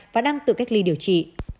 và đang tự cách ly điều trị